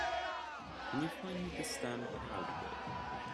Can you find me the Stand Proud book?